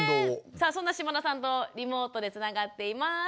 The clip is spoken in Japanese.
さあそんな嶋田さんとリモートでつながっています。